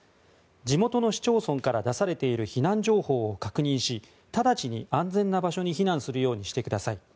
地元の市町村から出されている避難情報を確認し直ちに安全な場所に避難するようにしてください。